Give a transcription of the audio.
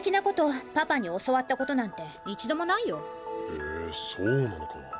へえそうなのか。